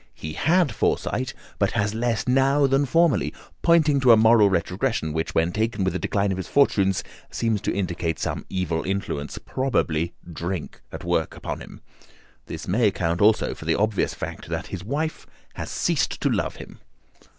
He had foresight, but has less now than formerly, pointing to a moral retrogression, which, when taken with the decline of his fortunes, seems to indicate some evil influence, probably drink, at work upon him. This may account also for the obvious fact that his wife has ceased to love him."